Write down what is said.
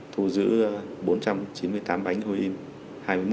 thu giữ bốn trăm chín mươi tám bánh huyện